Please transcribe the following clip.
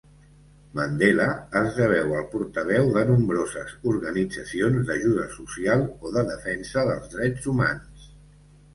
Mandela esdevé el portaveu de nombroses organitzacions d'ajuda social o de defensa dels drets humans.